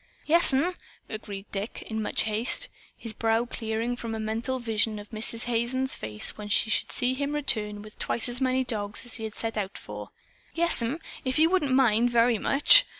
"Yes'm!" agreed Dick, in much haste, his brow clearing from a mental vision of Mrs. Hazen's face when she should see him return with twice as many dogs as he had set out for. "Yes'm. If you wouldn't mind, very much.